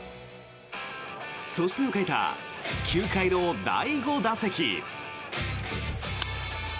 そして迎えた９回の第５打席。